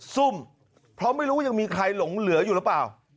ซุ่มเพราะไม่รู้ว่ายังมีใครหลงเหลืออยู่หรือเปล่า